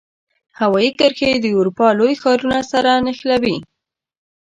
هوایي کرښې د اروپا لوی ښارونو سره نښلوي.